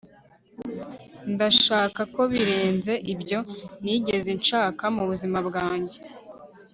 ndashaka ko birenze ibyo nigeze nshaka mubuzima bwanjye